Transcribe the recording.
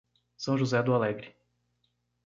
São José do Alegre